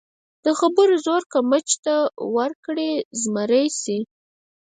د خبرو زور که مچ ته ورکړې، زمری شي.